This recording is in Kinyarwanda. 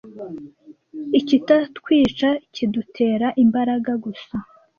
Ikitatwica kidutera imbaraga gusa.